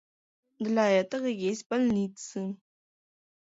Для этого есть больницы.